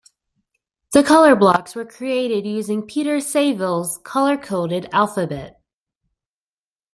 The colour blocks were created using Peter Saville's colour-coded alphabet.